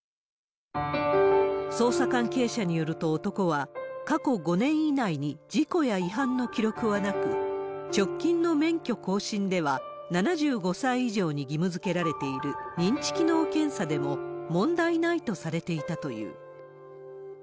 捜査関係者によると男は、過去５年以内に事故や違反の記録はなく、直近の免許更新では、７５歳以上に義務づけられている認知機能検査でも問題ないとされていたという。